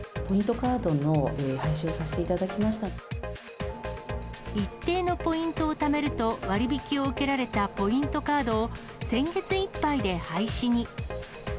カードの廃止をさせ一定のポイントをためると、割引を受けられたポイントカードを、先月いっぱいで廃止に。